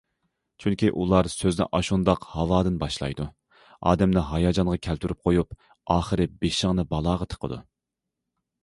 چۈنكى ئۇلار سۆزنى ئاشۇنداق ھاۋادىن باشلايدۇ، ئادەمنى ھاياجانغا كەلتۈرۈپ قويۇپ، ئاخىرى بېشىڭنى بالاغا تىقىدۇ.